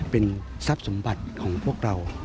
เป็นทรัพย์สมบัติของพวกเรา